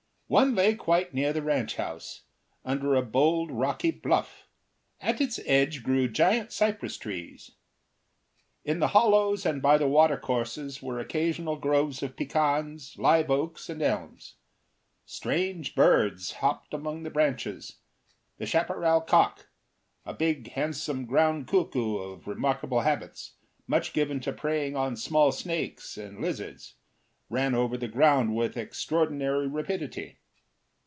One lay quite near the ranch house, under a bold rocky bluff; at its edge grew giant cypress trees. In the hollows and by the watercourses were occasional groves of pecans, live oaks, and elms. Strange birds hopped among the bushes; the chaparral cock—a big, handsome ground cuckoo of remarkable habits, much given to preying on small snakes and lizards—ran over the ground with extraordinary rapidity.